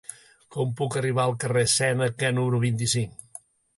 Com puc arribar al carrer de Sèneca número vint-i-cinc?